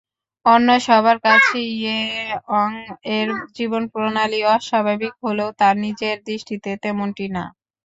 অন্য সবার কাছে ইয়েঅং-এর জীবনপ্রণালি অস্বাভাবিক হলেও তার নিজের দৃষ্টিতে তেমনটি না।